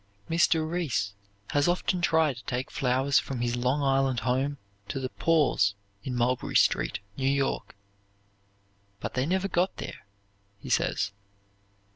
Mr. Riis has often tried to take flowers from his Long Island home to the "poors" in Mulberry Street, New York. "But they never got there," he says.